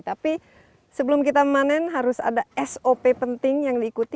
tapi sebelum kita panen harus ada sop penting yang diikuti